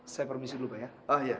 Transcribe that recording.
saya permisi dulu pak ya